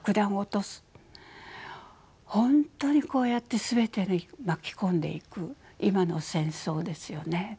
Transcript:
本当にこうやって全て巻き込んでいく今の戦争ですよね。